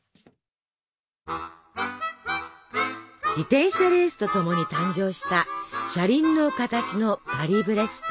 自転車レースとともに誕生した車輪の形のパリブレスト。